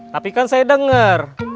tapi kan saya denger